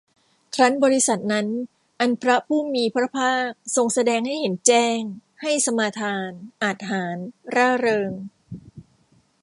ครั้นบริษัทนั้น อันพระผู้มีพระภาคทรงแสดงให้เห็นแจ้ง ให้สมาทาน อาจหาญ ร่าเริง